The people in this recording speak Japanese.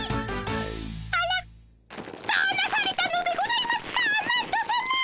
どうなされたのでございますかマントさま！